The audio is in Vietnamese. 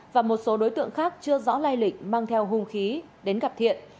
và một số đối tượng khác chưa rõ lai lịch mang theo hung khí đến gặp thiện